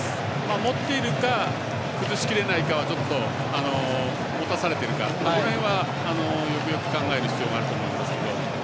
持っているか崩しきれないかは持たされているかはこの辺は、よくよく考える必要があると思いますけど。